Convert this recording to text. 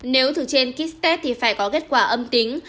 nếu từ trên kit test thì phải có kết quả âm tính